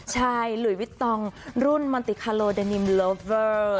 หลุยวิตรองรุ่นมอนติคารโลเดนิมลอเวอร์